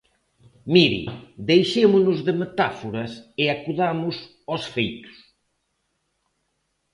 Mire, deixémonos de metáforas e acudamos aos feitos.